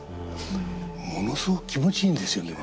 ものすごく気持ちいいんですよね。